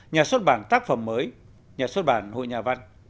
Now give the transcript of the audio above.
nhà xuất bản tác phẩm mới nhà xuất bản hội nhà văn